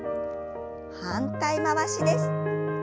反対回しです。